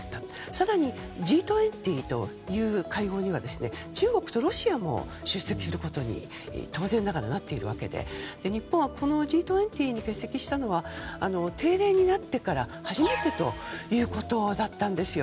更に、Ｇ２０という会合には中国とロシアも出席することに当然ながらなっているわけで日本はこのＧ２０に欠席したのは定例になってから初めてということだったんですよ。